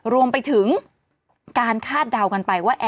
รวมไปถึงการคาดเดากันไปว่า